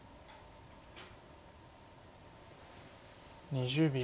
２０秒。